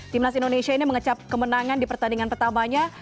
timnas indonesia ini mengecap kemenangan di pertandingan pertamanya